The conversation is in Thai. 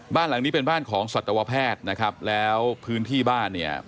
บ้านหลังนี้เป็นบ้านของสัตวแพทย์นะครับแล้วพื้นที่บ้านเนี่ย